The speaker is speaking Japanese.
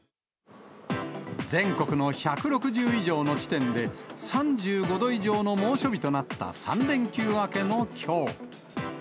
全国の１６０以上の地点で３５度以上の猛暑日となった３連休明けのきょう。